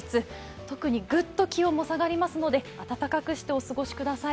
特にグッと気温も下がりますので、暖かくしてお過ごしください。